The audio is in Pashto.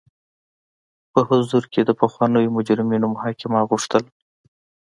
په حضور کې د پخوانیو مجرمینو محاکمه غوښتل.